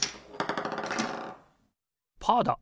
パーだ！